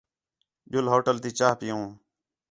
جُل ہوٹل تی چاہ پِیؤں